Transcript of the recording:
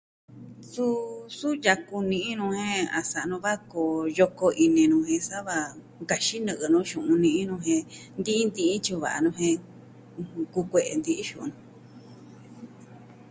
Suu su yaku ni'i nu jen a sa'a nu va koo yoko ini nu jen sa va nkaxin nɨ'ɨ nu xu'un ni'i nu jen nti'in nti'in tyu'un va'a nu jen kukue'e nti'in xu'un nu.